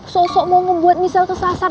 sosok mau ngebuat michelle kesasar